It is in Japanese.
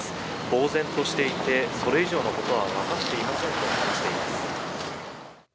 ぼうぜんとしていてそれ以上のことはわかっていませんと話しています。